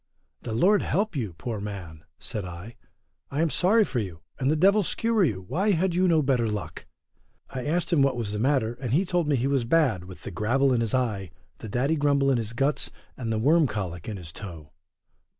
The Lord help you, poor man, said I, I am sorry for you, and the devil skewer you, why had you no better luck? I asked him what was the matter, and he told me he was bad with the gravel in his eye, the daddy grumble in his guts, and the worm cholic in his toe.